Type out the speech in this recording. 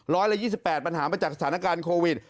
ร้อยละ๒๘ปัญหามาจากสถานการณ์โควิด